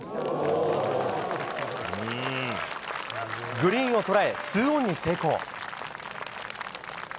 グリーンを捉え２オンに成功。